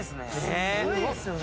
すごいですよね。